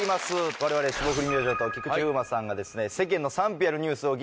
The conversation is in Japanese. われわれ霜降り明星と菊池風磨さんが。